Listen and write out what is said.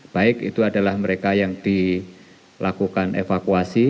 baik itu adalah mereka yang dilakukan evakuasi